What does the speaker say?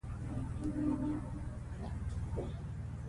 شاه محمود د خپلو ځواکونو په عملیاتو کې برخه اخیستله.